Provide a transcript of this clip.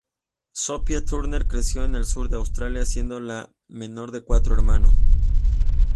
Sophie Turner creció en el sur de Australia siendo la menor de cuatro hermanos.